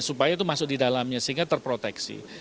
supaya itu masuk di dalamnya sehingga terproteksi